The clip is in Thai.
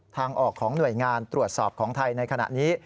ทางออกของหน่วยงานตรวจสอบของไทยในขณะนี้